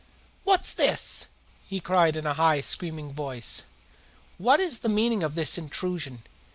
"What's this?" he cried in a high, screaming voice. "What is the meaning of this intrusion?